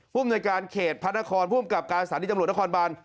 ภูมิในการเขตพระนครภูมิกับการสารดิจำรวจนครบาน